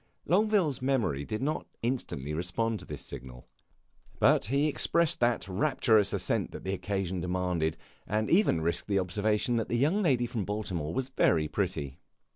Longueville's memory did not instantly respond to this signal, but he expressed that rapturous assent which the occasion demanded, and even risked the observation that the young lady from Baltimore was very pretty.